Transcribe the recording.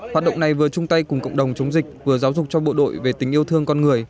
hoạt động này vừa chung tay cùng cộng đồng chống dịch vừa giáo dục cho bộ đội về tình yêu thương con người